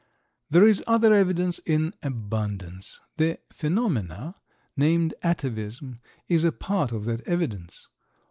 There is other evidence in abundance. The phenomena named atavism is a part of that evidence.